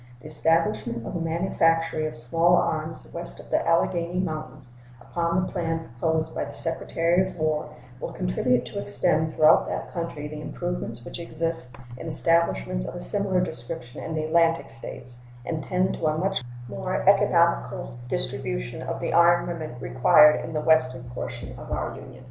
The establishment of a manufactory of small arms west of the Alleghany Mountains, upon the plan proposed by the Secretary of War, will contribute to extend throughout that country the improvements which exist in establishments of a similar description in the Atlantic States, and tend to a much more economical distribution of the armament required in the western portion of our Union.